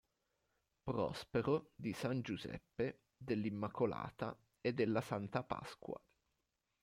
Prospero, di S. Giuseppe, dell’Immacolata e della Santa Pasqua.